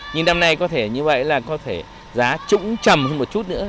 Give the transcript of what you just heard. nhưng năm nay có thể như vậy là có thể giá trũng trầm hơn một chút nữa